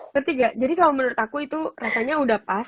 ketiga jadi kalau menurut aku itu rasanya udah pas